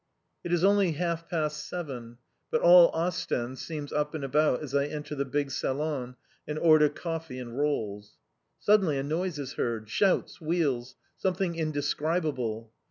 It is only half past seven; but all Ostend seems up and about as I enter the big salon and order coffee and rolls. Suddenly a noise is heard, shouts, wheels, something indescribable.